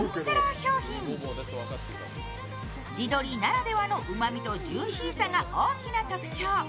地鶏ならではのうまみとジューシーさが大きな特徴。